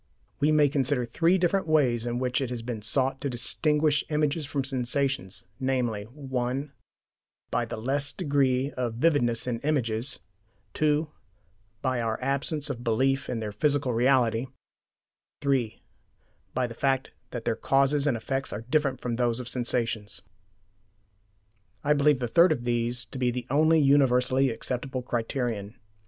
We may consider three different ways in which it has been sought to distinguish images from sensations, namely: (1) By the less degree of vividness in images; (2) By our absence of belief in their "physical reality"; (3) By the fact that their causes and effects are different from those of sensations. I believe the third of these to be the only universally applicable criterion.